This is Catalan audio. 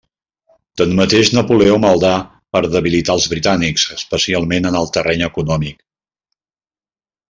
Tanmateix Napoleó maldà per debilitar als britànics especialment en el terreny econòmic.